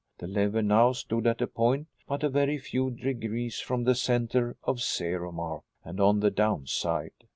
The lever now stood at a point but a very few degrees from the center or "Zero" mark and on the down side.